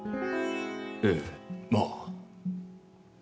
ええまあ。